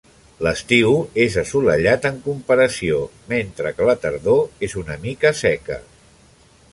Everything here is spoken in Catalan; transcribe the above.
L'estiu és assolellat, en comparació, mentre que la tardor és una mica seca.